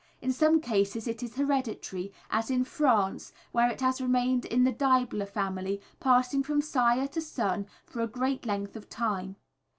In some cases it is hereditary, as in France, where it has remained in the Deibler family, passing from sire to son, for a great length of time.